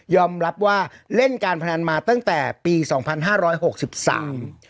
รับว่าเล่นการพนันมาตั้งแต่ปีสองพันห้าร้อยหกสิบสาม